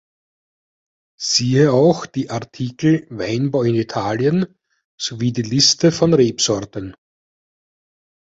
Siehe auch die Artikel Weinbau in Italien sowie die Liste von Rebsorten.